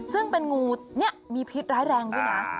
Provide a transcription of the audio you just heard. ซึ่งเป็นงูนี่มีพิษร้ายแรงด้วยนะ